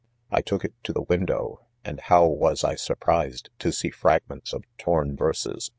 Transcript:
I took it to the window, and how was I surprised, to see fragments of torn verses.